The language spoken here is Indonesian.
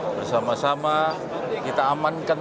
bersama sama kita amankan